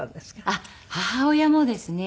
あっ母親もですね